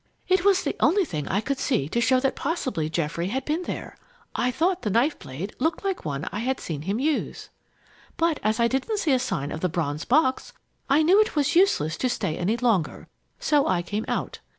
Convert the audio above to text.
It was the only thing I could see to show that possibly Geoffrey had been there. I thought the knife blade looked like one I had seen him use. "But as I didn't see a sign of the bronze box, I knew it was useless to stay any longer, so I came out.